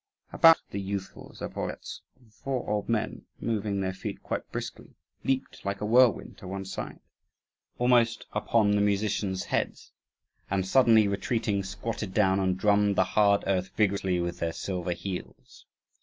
About the youthful Zaporozhetz four old men, moving their feet quite briskly, leaped like a whirlwind to one side, almost upon the musicians' heads, and, suddenly, retreating, squatted down and drummed the hard earth vigorously with their silver heels.